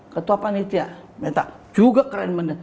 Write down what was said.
ketua panitia minta juga keren banget